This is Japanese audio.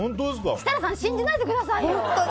設楽さん信じないでくださいよ！